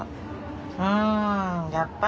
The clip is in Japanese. うんやっぱりね。